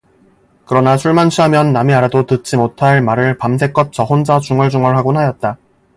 그러나 술만 취하면 남이 알아도 듣지 못할 말을 밤새껏 저 혼자 중얼중얼하곤 하였다.